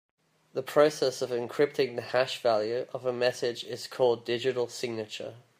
The process of encrypting the hash value of a message is called digital signature.